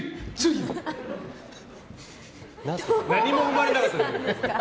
何も生まれなかった。